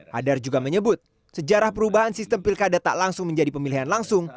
hadar juga menyebut sejarah perubahan sistem pilkada tak langsung menjadi pemilihan langsung